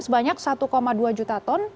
sebanyak satu dua juta ton